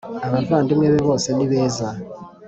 Abavandimwe be bose ni beza